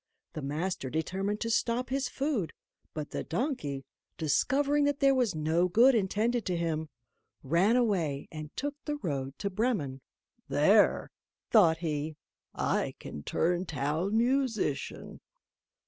The master determined to stop his food, but the donkey, discovering that there was no good intended to him, ran away and took the road to Bremen: "There," thought he, "I can turn Town Musician."